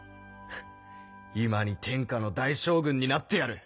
今に天下の大将軍になってやる！